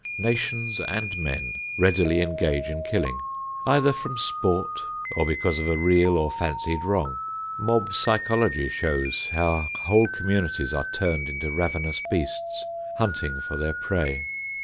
Nations and men readily engage in killing, either from sport or because of a real or fancied wrong. Mob psychology shows how whole communities are turned into ravenous beasts, hunting for their prey.